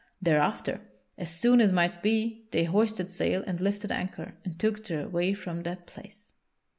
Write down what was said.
Thereafter, as soon as might be they hoisted sail and lifted anchor and took their way from that place.